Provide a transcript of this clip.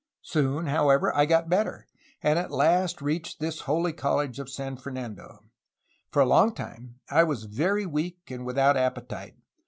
Soon, however, I got better, and at last reached this holy college [of San Fernando] ... For a long time I was very weak and without appetite.